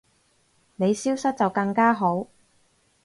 你消失就更加好